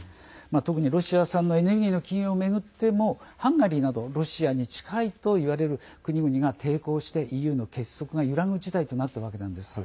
特にロシア産のエネルギーの禁輸を巡ってもハンガリーなどロシアに近いといわれる国々が抵抗してＥＵの結束が揺らぐ事態となってるわけなんです。